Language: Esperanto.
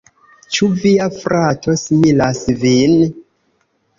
Ĉu via frato similas vin?